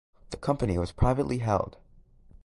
The company was privately held.